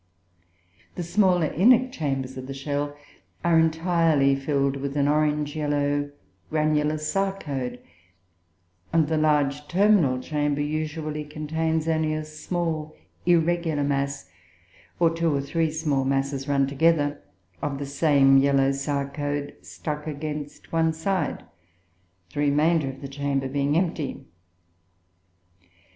The smaller inner chambers of the shell are entirely filled with an orange yellow granular sarcode; and the large terminal chamber usually contains only a small irregular mass, or two or three small masses run together, of the same yellow sarcode stuck against one side, the remainder of the chamber being empty.